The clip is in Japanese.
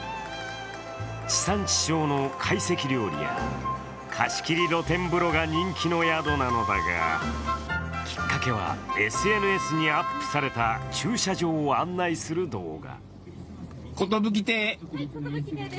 地産地消の懐石料理や貸し切り露天風呂が人気の宿なのだがきっかけはＳＮＳにアップされた駐車場を案内する動画。